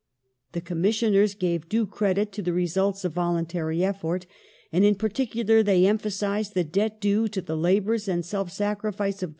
^ The Commissioners ^^^^^jg, gave due credit to the results of voluntary effort, and in particular sion and they emphasized the debt due to the labours and self sacrifice of J?